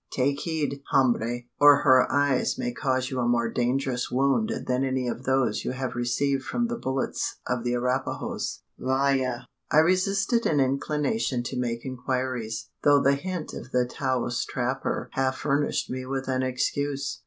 Take heed, hombre! or her eyes may cause you a more dangerous wound than any of those you have received from the bullets of the Arapahoes. Vaya!" I resisted an inclination to make inquiries: though the hint of the Taos trapper half furnished me with an excuse.